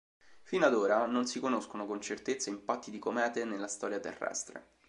Fino ad ora non si conoscono con certezza impatti di comete nella storia terrestre.